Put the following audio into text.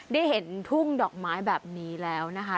ได้เห็นทุ่งดอกไม้แบบนี้แล้วนะคะ